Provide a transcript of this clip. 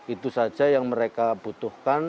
itu saja yang mereka butuhkan